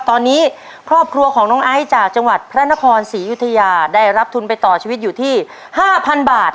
ตอนนี้ครอบครัวของน้องไอซ์จากจังหวัดพระนครศรียุธยาได้รับทุนไปต่อชีวิตอยู่ที่๕๐๐บาท